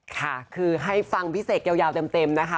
ค่ะคือให้ฟังพิเศษเยาเต็มนะคะ